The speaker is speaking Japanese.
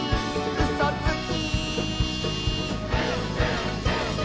「うそつき！」